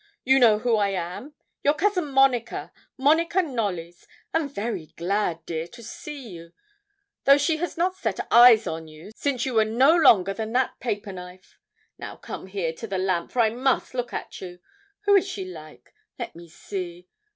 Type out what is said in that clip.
'You know who I am? Your cousin Monica Monica Knollys and very glad, dear, to see you, though she has not set eyes on you since you were no longer than that paper knife. Now come here to the lamp, for I must look at you. Who is she like? Let me see.